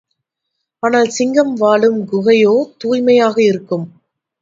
ஆனால், சிங்கம் வாழும் குகையோ தூய்மையாக இருக்கும்.